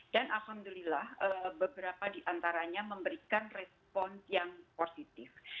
dan alhamdulillah beberapa di antaranya memberikan respon yang positif